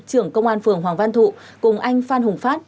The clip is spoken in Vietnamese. trưởng công an phường hoàng văn thụ cùng anh phan hùng phát